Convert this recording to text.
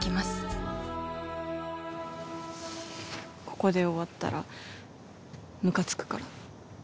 ここで終わったらムカつくから。